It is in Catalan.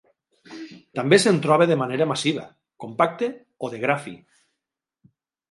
També se'n troba de manera massiva, compacte o de gra fi.